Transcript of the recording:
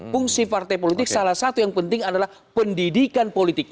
fungsi partai politik salah satu yang penting adalah pendidikan politik